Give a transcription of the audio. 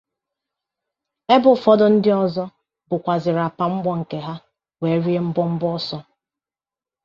ebe ụfọdụ ndị ọzọ bukwàzịrị àpà mgbọ nke ha wee rie mbọmbọ ọsọ.